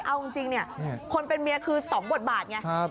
เอาจริงเนี่ยคนเป็นเมียคือ๒บทบาทไง